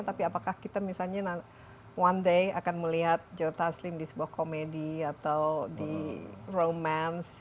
tapi apakah kita misalnya one day akan melihat joe taslim di sebuah komedi atau di romance